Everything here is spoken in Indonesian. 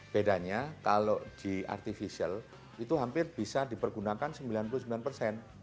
bedanya kalau di artificial itu hampir bisa dipergunakan sembilan puluh sembilan persen